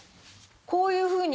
こういうふうに。